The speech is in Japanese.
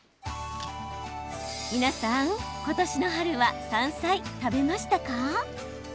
皆さん今年の春は山菜食べましたか？